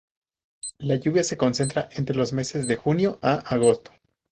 La lluvia se concentra entre los meses de junio a agosto.